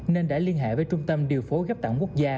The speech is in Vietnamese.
nên đã liên hệ với trung tâm điều phố gấp tạng quốc gia